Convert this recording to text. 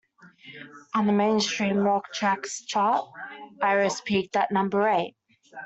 On the Mainstream Rock Tracks chart, "Iris" peaked at number eight.